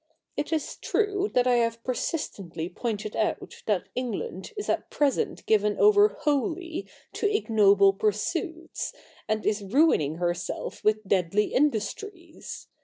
It is true that I have per sistently pointed out that England is at present given over wholly to ignoble pursuits, and is ruining herself with deadly industries.